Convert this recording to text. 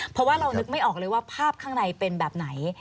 เพราะว่าเรานึกไม่ออกเลยว่าภาพข้างในเป็นแบบไหน